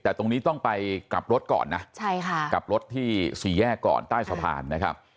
แต่ตรงนี้ต้องไปกลับรถก่อนนะใช่ค่ะกลับรถที่สี่แยกก่อนใต้สะพานนะครับ